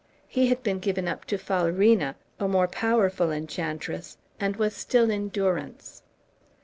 He had been given up to Falerina, a more powerful enchantress, and was still in durance.